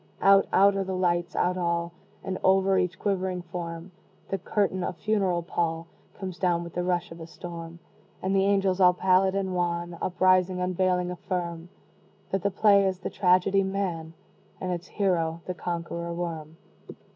Out out are the lights out all: And over each quivering form, The curtain, a funeral pall, Comes down with the rush of a storm And the angels, all pallid and wan, Uprising, unveiling, affirm That the play is the tragedy, "Man," And its hero, the conqueror Worm.